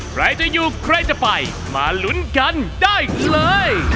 ใครจะอยู่ใครจะไปมาลุ้นกันได้เลย